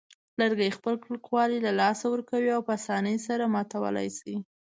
لرګي خپل کلکوالی له لاسه ورکوي او په آسانۍ سره ماتولای شي.